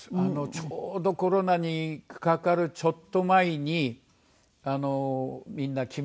ちょうどコロナにかかるちょっと前にみんな来まして。